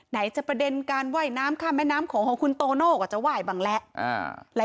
ไหนจะประเด็นการว่ายน้ำข้ามแม่น้ำโขงของคุณโตโน่ก็จะไหว้บ้างแหละ